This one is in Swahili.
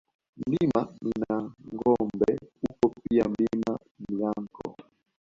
Mlima Mwinangombe upo pia Mlima Myanko